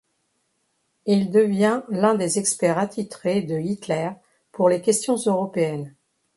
Il devient l'un des experts attitrés de Hitler pour les questions européennes.